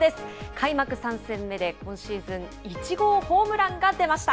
開幕３戦目で、今シーズン１号ホームランが出ました。